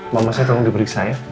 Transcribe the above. mama saya tolong diperiksa ya